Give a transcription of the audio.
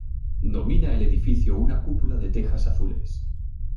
Domina el edificio una cúpula de tejas azules.